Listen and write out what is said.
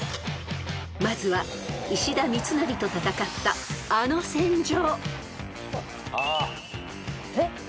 ［まずは石田三成と戦ったあの戦場］